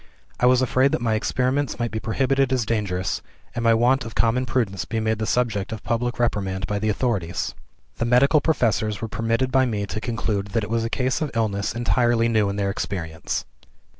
I was afraid that my experiments might be prohibited as dangerous, and my want of common prudence be made the subject of public reprimand by the authorities. The medical professors were permitted by me to conclude that it was a case of illness entirely new in their experience.